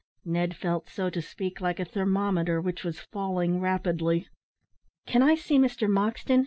Ned felt, so to speak, like a thermometer which was falling rapidly. "Can I see Mr Moxton?"